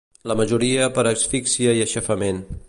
La majoria per asfíxia i aixafament.